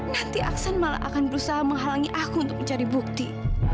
nanti aksan malah akan berusaha menghalangi aku untuk mencari bukti